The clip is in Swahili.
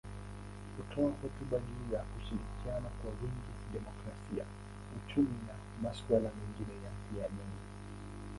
Hutoa hotuba juu ya kushirikiana kwa wingi, demokrasia, uchumi na masuala mengine ya kijamii.